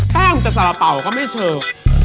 แป้งจะสารเป๋าก็ไม่เชิง